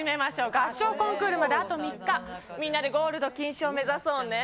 合唱コンクールまであと３日、みんなでゴールド金賞目指そうね。